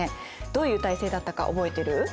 どういう体制だったか覚えてる？